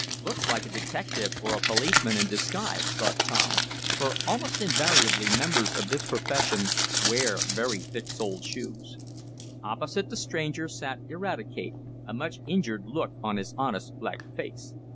"Looks like a detective or a policeman in disguise," thought Tom, for, almost invariably, members of this profession wear very thick soled shoes. Opposite the stranger sat Eradicate, a much injured look on his honest, black face.